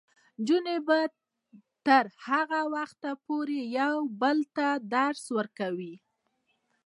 نجونې به تر هغه وخته پورې یو بل ته درس ورکوي.